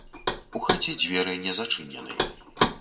У хаце дзверы не зачынены.